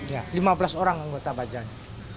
ya lima belas orang anggota bajan